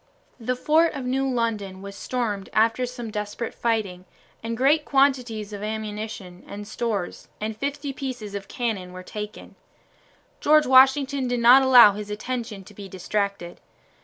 The fort of New London was stormed after some desperate fighting, and great quantities of ammunition and stores and fifty pieces of cannon taken. General Washington did not allow his attention to be distracted.